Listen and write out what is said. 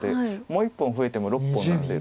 もう１本増えても６本なので。